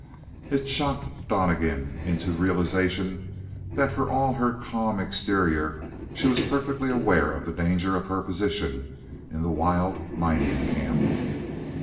It shocked Donnegan into realization that for all her calm exterior she was perfectly aware of the danger of her position in the wild mining camp.